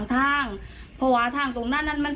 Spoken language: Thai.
ถึงอยากให้มาชี่เจ๊นะครับ